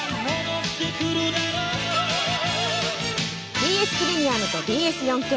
ＢＳプレミアムとＢＳ４Ｋ